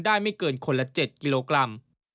ไม่เกินคนละ๗กิโลกรัม